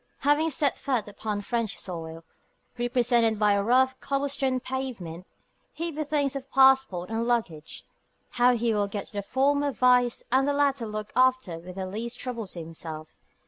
Having set foot upon French soil, represented by a rough cobble stone pavement, he bethinks of passport and luggage how he will get the former vised and the latter looked after with the least trouble to himself.